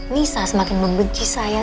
nisa semakin membenci saya